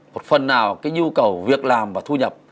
một phần nào cái nhu cầu việc làm và thu nhập